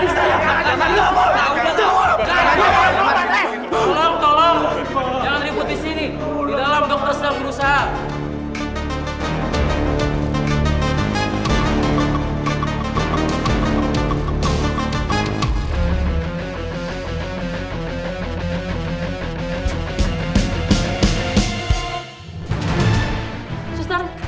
sampai jumpa di video selanjutnya